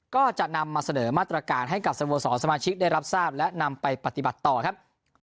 ก็จะนำมาเสนอมาตรการให้กับสโมสรสมาชิกได้รับทราบและนำไปปฏิบัติต่อครับ